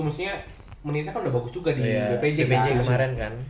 maksudnya menitnya kan udah bagus juga di bpj pj kemarin kan